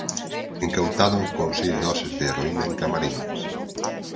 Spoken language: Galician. Incautado con seis doses de heroína en Camariñas